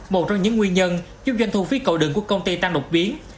một trong những nguyên nhân giúp doanh thu phí cầu đường của công ty tăng đột biến